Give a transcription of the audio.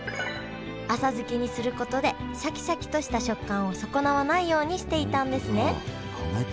浅漬けにすることでシャキシャキとした食感を損なわないようにしていたんですね考えてんだな。